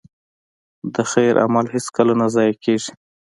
د خیر عمل هېڅکله نه ضایع کېږي.